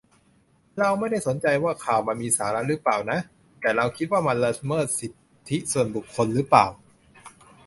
เราไม่ได้สนใจว่าข่าวมันมีสาระรึเปล่าน่ะ แต่เราคิดว่ามันละเมิดสิทธิส่วนบุคคลหรือเปล่า